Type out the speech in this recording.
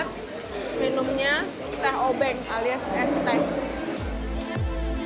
kirim kertas karena aprender bahasa inggris